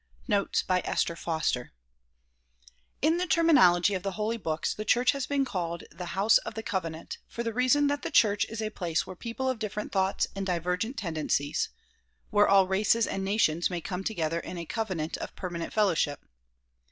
Notes by Esther Foster IN the terminology of the holy books, the church has been called the "house of the covenant" for the reason that the church is a place where people of difl'erent thoughts and divergent tenden cies, — where all races and nations may come together in a coven 158 THE PROMULGATION OF UNIVERSAL PEACE ant of permanent fellowship.